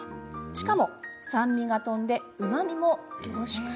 しかも酸味がとんでうまみも凝縮。